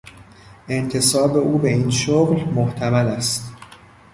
انتصاب او به این شغل محتمل است.